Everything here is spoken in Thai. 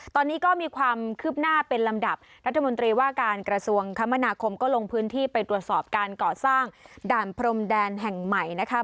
ตอนนี้ก็มีความคืบหน้าเป็นลำดับรัฐมนตรีว่าการกระทรวงคมนาคมก็ลงพื้นที่ไปตรวจสอบการก่อสร้างด่านพรมแดนแห่งใหม่นะคะ